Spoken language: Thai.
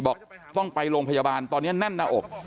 บอกต้องไปโรงพยาบาลตอนนี้แน่นหน้าอก